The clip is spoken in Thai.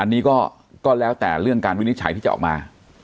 อันนี้ก็แล้วแต่เรื่องการวินิจฉัยที่จะออกมา